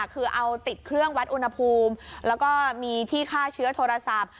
คือเอาติดเครื่องวัดอุณหภูมิแล้วก็มีที่ฆ่าเชื้อโทรศัพท์